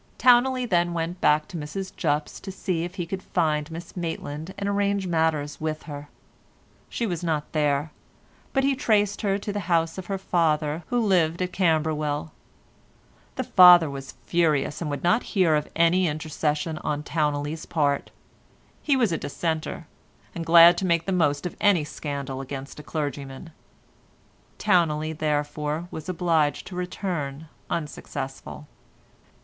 Towneley then went back to Mrs Jupp's to see if he could find Miss Maitland and arrange matters with her. She was not there, but he traced her to the house of her father, who lived at Camberwell. The father was furious and would not hear of any intercession on Towneley's part. He was a Dissenter, and glad to make the most of any scandal against a clergyman; Towneley, therefore, was obliged to return unsuccessful.